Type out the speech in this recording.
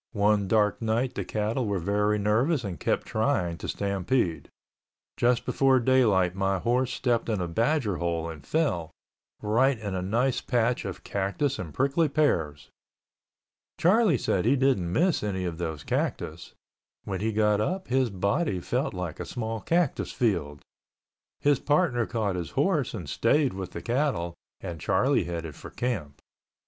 One dark night the cattle were very nervous and kept trying to stampede. Just before daylight my horse stepped in a badger hole and fell—right in a nice patch of cactus and prickly pears!" Charlie said he didn't miss any of those cactus. When he got up his body felt like a small cactus field. His partner caught his horse and stayed with the cattle, and Charlie headed for camp.